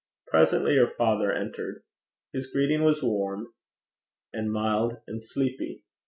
Presently her father entered. His greeting was warm and mild and sleepy.